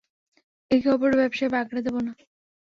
একে অপরের ব্যবসায় বাগড়া দেব না।